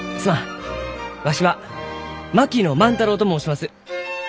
わしは槙野万太郎と申します。